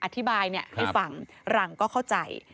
อธิบายให้ฟังหลังก็เข้าใจ